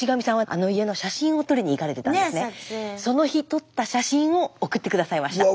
その日撮った写真を送って下さいました。